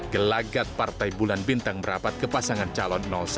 gelagat partai bulan bintang berapat ke pasangan calon satu